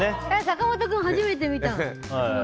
坂本君のミス、初めて見た。